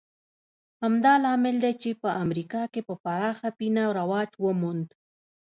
همدا لامل دی چې په امریکا کې په پراخه پینه رواج وموند